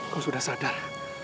kau sudah sadar